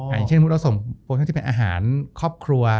อย่างเช่นมุติเราส่งโปรชั่นที่เป็นอาหารครอบครัว